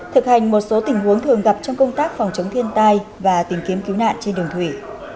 thực hành một số tình huống thường gặp trong công tác phòng chống thiên tai và tìm kiếm cứu nạn trên đường thủy